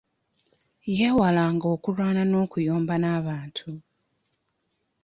Yeewalanga okulwana n'okuyomba n'abantu.